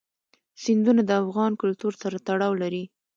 سیندونه د افغان کلتور سره تړاو لري.